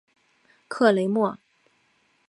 克雷莫。